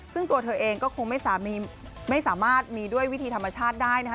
ซึ่งตัวเธอเองก็คงไม่สามารถมีด้วยวิธีธรรมชาติได้นะคะ